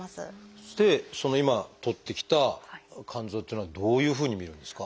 そしてその今採ってきた肝臓っていうのはどういうふうに見るんですか？